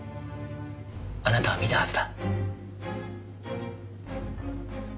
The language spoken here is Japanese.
あなたは見たはずだ。